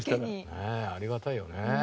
ねえありがたいよね。